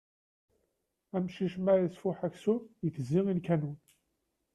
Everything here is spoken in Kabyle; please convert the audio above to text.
Amcic ma isfuḥ aksum, itezzi i lkanun.